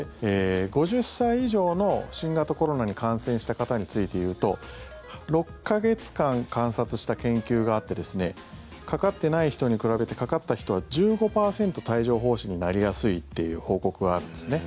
５０歳以上の新型コロナに感染した方についていうと６か月間観察した研究があってかかってない人に比べてかかった人は１５％帯状疱疹になりやすいという報告があるんですね。